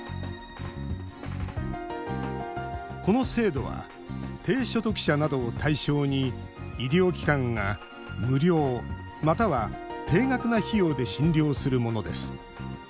この制度は低所得者などを対象に医療機関が無料または低額な費用で診療するものです。